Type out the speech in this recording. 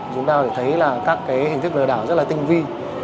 chúng ta thấy các hình thức lừa đảo rất là tinh vi